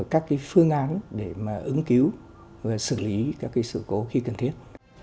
các phương án để ứng cứu và xử lý các sự cố khi cần thiết